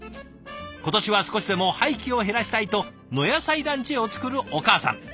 今年は少しでも廃棄を減らしたいと「の野菜ランチ」を作るお母さん。